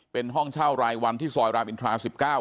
เป็นห้องเช่ารายวันที่ซอยรามอินทรา๑๙